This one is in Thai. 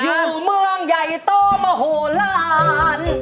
อยู่เมืองใหญ่โตโมโหลาน